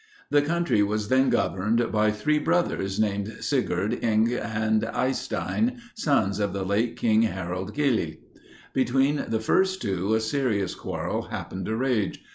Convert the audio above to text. The country was then governed by three brothers, named Sigurd, Inge, and Eystein, sons of the late King Harrold Gille. Between the first two, a serious quarrel happened to rage.